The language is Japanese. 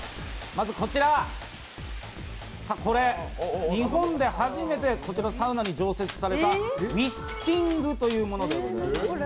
まず、日本で初めてサウナに常設されたウィスキングというものでございます。